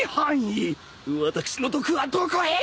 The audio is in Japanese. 私の毒はどこへ行った！？